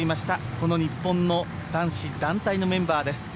この日本の男子団体のメンバーです。